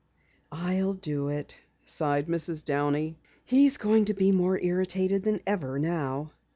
"I'll do it," sighed Mrs. Downey. "He's going to be more irritated than ever now."